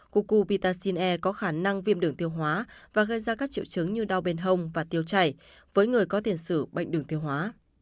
cúcu pitaxin e có khả năng viêm đường tiêu hóa và gây ra các triệu chứng như đau bên hông và tiêu chảy với người có tiền sử bệnh đường tiêu hóa